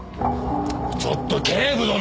ちょっと警部殿！